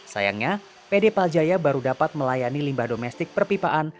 sayangnya pd paljaya baru dapat melayani limbah domestik perpipaan